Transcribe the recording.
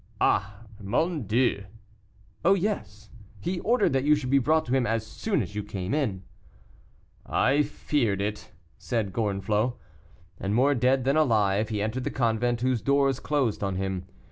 "Ah! mon Dieu!" "Oh! yes; he ordered that you should be brought to him as soon as you came in." "I feared it," said Gorenflot. And more dead than alive, he entered the convent, whose doors closed on him.